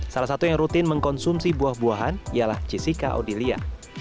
salah satu yang rutin mengkonsumsi buah buahan ialah jessica odilia